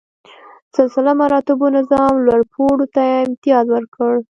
سلسله مراتبو نظام لوړ پوړو ته امتیاز ورکړ.